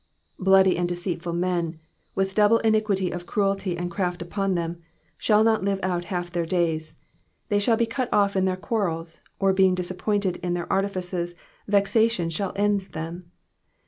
^^ Bloody and deceitful men^^'' with double iniquity of cruelty and craft upon them, ''shall not live out half their days;'''* they shall be cut off in their quarrels, or being dis appointed in their artifices, vexation shall end them.